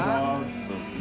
そうですね。